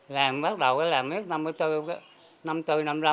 làm bắt đầu làm biết năm mươi bốn